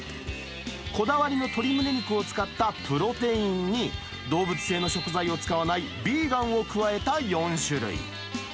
こだわりの鶏むね肉を使ったプロテインに、動物性の食材を使わないビーガンを加えた４種類。